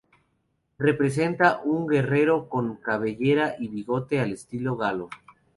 Representa a un guerrero con cabellera y bigote al estilo galo.